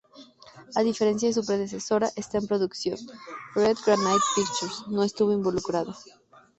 A diferencia de su predecesora, en esta producción, Red Granite Pictures no estuvo involucrada.